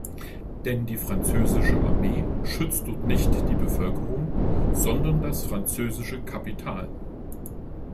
Denn die französische Armee schützt dort nicht die Bevölkerung, sondern das französische Kapital.